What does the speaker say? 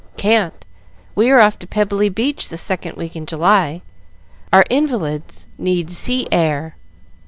"Can't; we are off to Pebbly Beach the second week in July. Our invalids need sea air.